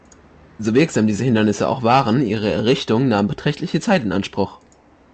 So wirksam diese Hindernisse auch waren, ihre Errichtung nahm beträchtliche Zeit in Anspruch.